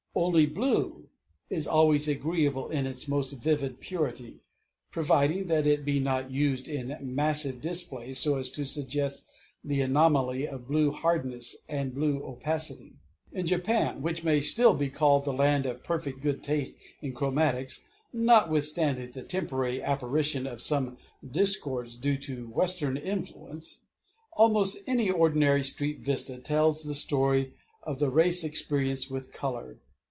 Only blue is always agreeable in its most vivid purity providing that it be not used in massive displays so as to suggest the anomaly of blue hardness and blue opacity. In Japan, which may still be called the land of perfect good taste in chromatics notwithstanding the temporary apparition of some discords due to Western influence, almost any ordinary street vista tells the story of the race experience with color.